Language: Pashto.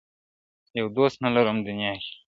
یودوست نه لرم دنیا کي